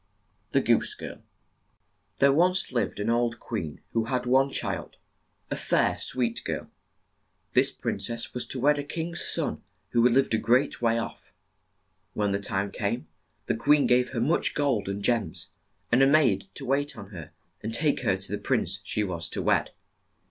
THE GOOSE GIRL pHERE once lived an old queen who had one child, a fair, ■ sweet girl. This prin cess was to wed a king's son who lived a great way off. When the time came, the queen gave her much gold and gems, and a maid to wait on her and take her to the prince she was to wed.